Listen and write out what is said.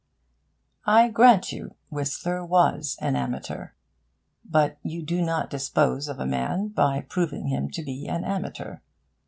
I grant you, Whistler was an amateur. But you do not dispose of a man by proving him to be an amateur.